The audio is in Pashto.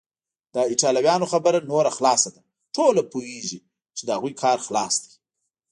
د ایټالویانو خبره نوره خلاصه ده، ټوله پوهیږي چې د هغوی کار خلاص دی.